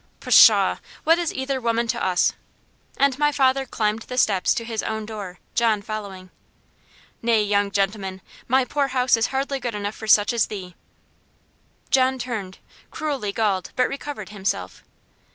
"Pshaw! What is either woman to us?" And my father climbed the steps to his own door, John following. "Nay, young gentleman, my poor house is hardly good enough for such as thee." John turned, cruelly galled, but recovered himself.